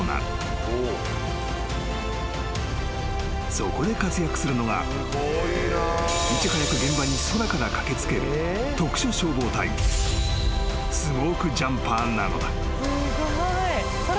［そこで活躍するのがいち早く現場に空から駆け付ける特殊消防隊スモークジャンパーなのだ］